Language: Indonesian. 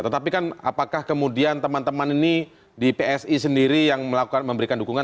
tetapi kan apakah kemudian teman teman ini di psi sendiri yang melakukan memberikan dukungan